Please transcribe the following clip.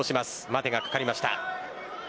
待てがかかりました。